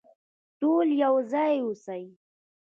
ټول يو ځای اوسئ.